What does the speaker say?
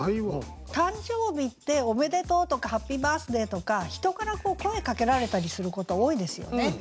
誕生日って「おめでとう」とか「ハッピーバースデー」とか人から声かけられたりすること多いですよね。